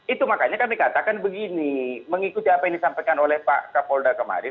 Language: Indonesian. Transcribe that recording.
itu makanya kami katakan begini mengikuti apa yang disampaikan oleh pak kapolda kemarin